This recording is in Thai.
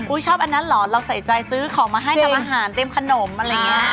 ชอบอันนั้นเหรอเราใส่ใจซื้อของมาให้ทำอาหารเตรียมขนมอะไรอย่างนี้